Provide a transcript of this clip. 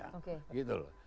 oke gitu loh